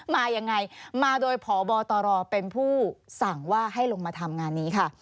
มายังไงมาโดยพบตรเป็นผู้สั่งว่าให้ลงมาทำงานนี้ค่ะ